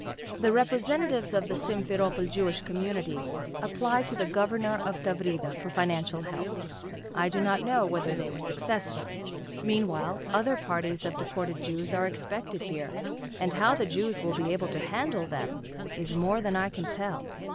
The representatives of the Simferopol Jewish community applied to the Governor of Tavrida for financial help. I do not know whether they were successful. Meanwhile, other parties of deported Jews are expected here, and how the Jews will be able to handle them, is more than I can tell.